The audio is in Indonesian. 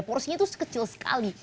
porsinya itu kecil sekali